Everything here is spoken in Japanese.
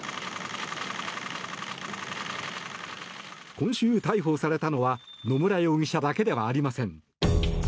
今週、逮捕されたのは野村容疑者だけではありません。